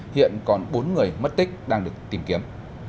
hiện còn bốn người mất tích đang được tìm kiếm